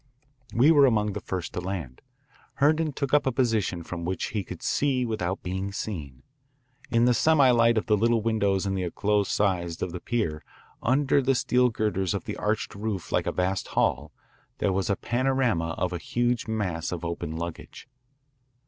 We were among the first to land. Herndon took up a position from which he could see without being seen. In the semi light of the little windows in the enclosed sides of the pier, under the steel girders of the arched roof like a vast hall, there was a panorama of a huge mass of open luggage.